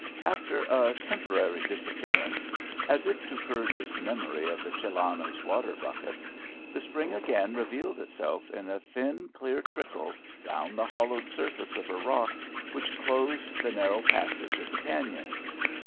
After a temporary disappearance, as if to purge its memory of the Chilano's water buckets, the spring again revealed itself in a thin, clear trickle down the hollowed surface of a rock which closed the narrow passage of the cañon.